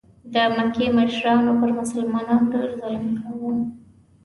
د مکې مشرکانو پر مسلمانانو ډېر ظلم کاوه.